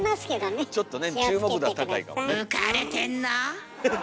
浮かれてんな？